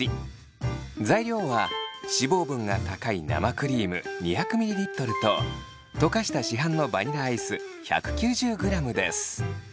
材料は脂肪分が高い生クリーム２００ｍｌと溶かした市販のバニラアイス１９０ｇです。